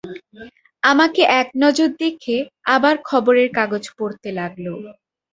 আমাকে একনজর দেখে আবার খবরের কাগজ পড়তে লাগল।